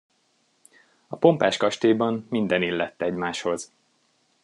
A pompás kastélyban minden illett egymáshoz.